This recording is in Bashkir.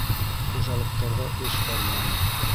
Хужалыҡтарҙа эш бармай.